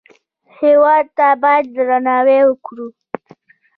هېواد ته باید درناوی وکړو